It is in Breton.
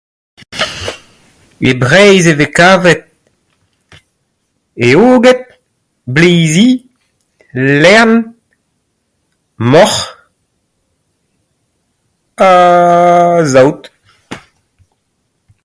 E Breizh e vez kavet eoged, bleizi, lern, moc'h ha aaa saout.